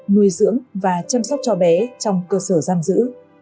nuôi dưỡng và chăm sóc cho bé trong cơ sở giam giữ